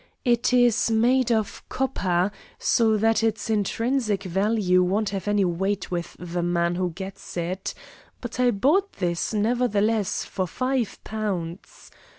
It is made of copper, so that its intrinsic value won't have any weight with the man who gets it, but I bought this nevertheless for five pounds.